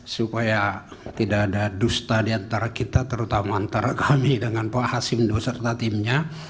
supaya tidak ada dusta diantara kita terutama antara kami dengan pak hasim doserta timnya